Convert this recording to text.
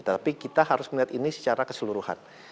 tapi kita harus melihat ini secara keseluruhan